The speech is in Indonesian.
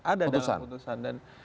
ada dalam putusan